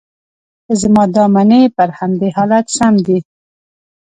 که زما دا منې، پر همدې حالت سم دي.